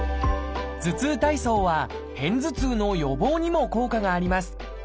頭痛体操は片頭痛の予防にも効果があります。